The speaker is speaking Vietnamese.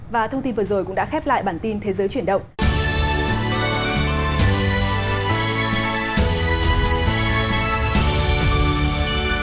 và thông tin vừa rồi cũng đã khép lại bản tin thế giới chuyển động